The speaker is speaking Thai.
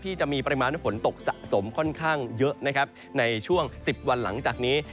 จะมีปริมาณฝนตกสะสมค่อนข้างเยอะนะครับในช่วง๑๐วันหลังจากนี้